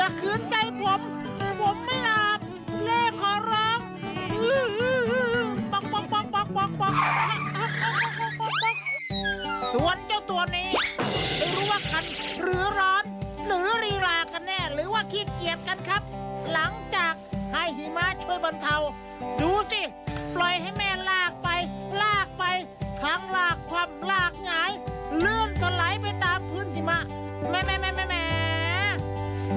อย่าคืนใจผมผมไม่หลาบเล่ขอร้องฮือฮือฮือฮือฮือฮือฮือฮือฮือฮือฮือฮือฮือฮือฮือฮือฮือฮือฮือฮือฮือฮือฮือฮือฮือฮือฮือฮือฮือฮือฮือฮือฮือฮือฮือฮือฮือฮือฮือฮ